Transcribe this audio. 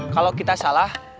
kalo kita salah